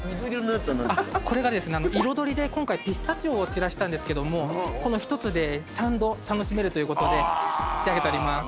彩りで今回ピスタチオを散らしたんですけどもこの１つで３度楽しめるということで仕上げております。